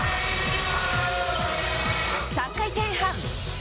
３回転半！